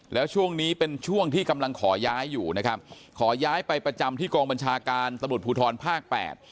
แล้วช่วงนี้เป็นช่วงที่กำลังขอย้ายอยู่นะครับขอย้ายไปประจำที่กองบัญชาการตำรวจภูทรภาคแปด